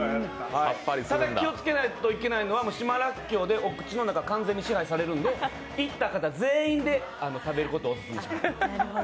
ただ気をつけないといけないのは、島らっきょうでお口の中、支配されるんで行った方全員で食べることをオススメします。